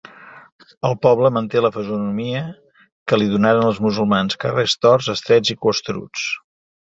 El poble manté la fesomia que li donaren els musulmans: carrers torts, estrets i costeruts.